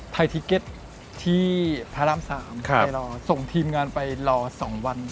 ทิเก็ตที่พระราม๓ไปรอส่งทีมงานไปรอ๒วัน